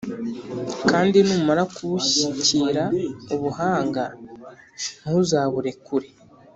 kandi numara kubushyikira ubuhanga, ntuzaburekure;